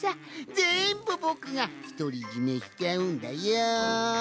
ぜんぶぼくがひとりじめしちゃうんだよん。